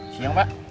selamat siang pak